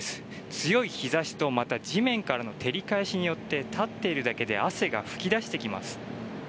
強い日差しとまた地面からの照り返しによって立っているだけで汗が噴き出してきます。